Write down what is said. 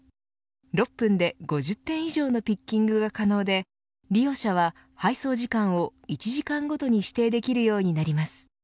６分で５０点以上のピッキングが可能で利用者は配送時間を１時間ごとに指定できるようになります。